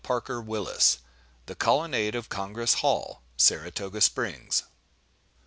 THE COLONNADE OF CONGRESS HALL. (SARATOGA SPRINGS.)